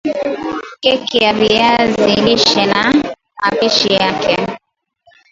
Keki ya viazi lishe na mapishi yake